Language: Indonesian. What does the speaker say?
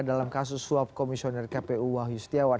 dalam kasus suap komisioner kpu wahyu setiawan